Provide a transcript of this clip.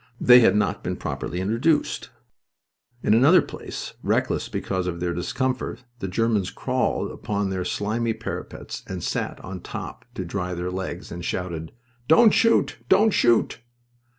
They had not been properly introduced. In another place, reckless because of their discomfort, the Germans crawled upon their slimy parapets and sat on top to dry their legs, and shouted: "Don't shoot! Don't shoot!"